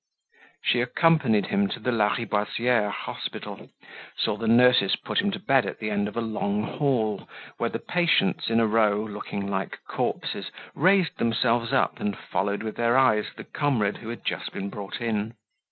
She accompanied him to the Lariboisiere Hospital, saw the nurses put him to bed at the end of a long hall, where the patients in a row, looking like corpses, raised themselves up and followed with their eyes the comrade who had just been brought in.